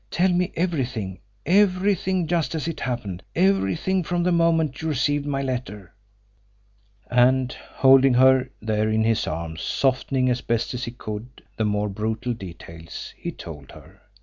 Tell me everything, everything just as it happened, everything from the moment you received my letter." And, holding her there in his arms, softening as best he could the more brutal details, he told her.